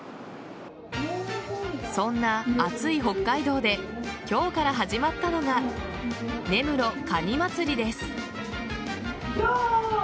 そんな暑い北海道で今日から始まったのが根室かに祭りです。